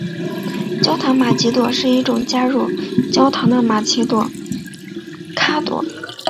焦糖玛琪雅朵是一种加入焦糖的玛琪雅朵咖啡。